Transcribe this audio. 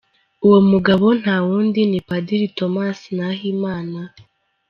Uwo mugabo nta wundi, ni Padiri Thomas Nahimana.